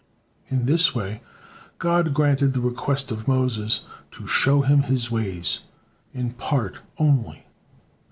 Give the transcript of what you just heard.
In this way, God granted the request of Moses, "to show him His ways," in part only.